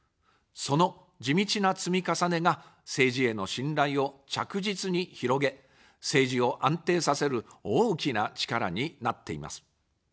その地道な積み重ねが政治への信頼を着実に広げ、政治を安定させる大きな力になっています。